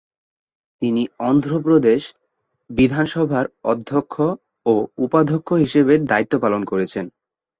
তিনি অন্ধ্রপ্রদেশ বিধানসভার অধ্যক্ষ ও উপাধ্যক্ষ হিসেবে দায়িত্ব পালন করেছেন।